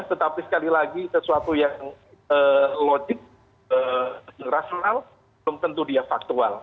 tetapi sekali lagi sesuatu yang logik rasional belum tentu dia faktual